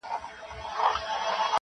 په ياغيانو کي منلى وو سردار وو-